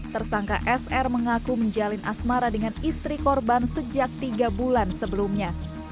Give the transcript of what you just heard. tersangka sr mengaku menjalin asmara dengan istri korban sejak tiga bulan sebelumnya